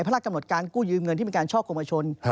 พระราชกำหนดการกู้ยืมเงินที่เป็นการช่อกงชน